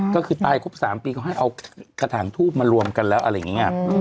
ก็คือตายครบ๓ปีเขาให้เอากระถางทูบมารวมกันแล้วอะไรอย่างนี้